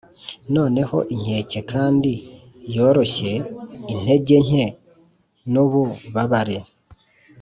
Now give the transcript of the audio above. noneho inkeke kandi yoroshye, intege nke nububabare,